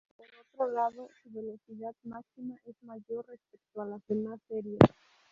Por otro lado su velocidad máxima es mayor respecto a las demás series.